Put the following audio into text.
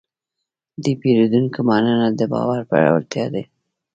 د پیرودونکي مننه د باور پیاوړتیا ده.